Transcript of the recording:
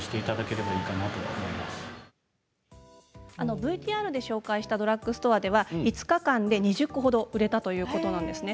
ＶＴＲで紹介したドラッグストアでは５日間で２０個ほど売れたということです。